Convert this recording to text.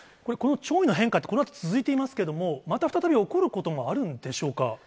この潮位の変化って、このあと続いてますけれども、また再び起こることもあるんでしょうか。